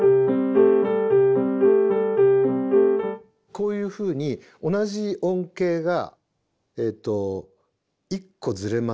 こういうふうに同じ音型が１個ズレますね。